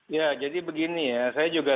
ya jadi begini ya saya juga